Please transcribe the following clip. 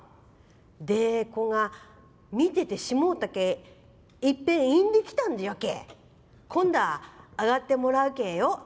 でーこが見ててしもうたけえいっぺんいんできたんじゃけえ今度はあがってもらうけえよ。